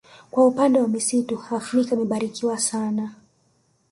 Kwa upande wa misitu Afrika imebarikiwa sana